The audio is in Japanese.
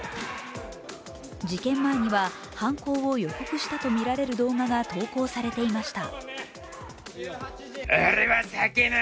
事件前には犯行を予告したとみられる動画が投稿されていました。